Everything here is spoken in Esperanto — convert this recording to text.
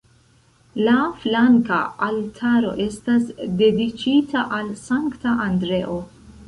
La flanka altaro estas dediĉita al Sankta Andreo.